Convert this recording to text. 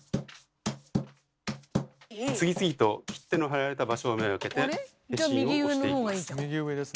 次々と切手の貼られた場所を目がけて消印を押していきます。